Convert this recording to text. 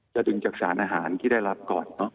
จะดึงจากสารอาหารที่ได้รับก่อน